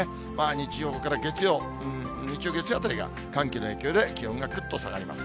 日曜から月曜、日曜、月曜あたりが、寒気の影響で気温ぐっと下がります。